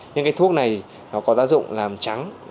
những cái thuốc này nó có tác dụng làm trắng